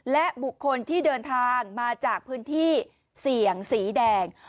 และบุคคลที่เดินทางมาจากพื้นที่เสี่ยงสีแดง